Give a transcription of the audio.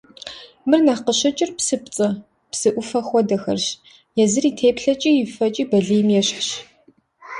Мыр нэхъ къыщыкӏыр псыпцӏэ, псы ӏуфэ хуэдэхэрщ, езыр и теплъэкӏи и фэкӏи балийм ещхьщ.